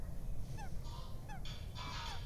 ni kama utamaduni wa muziki utamaduni wa wa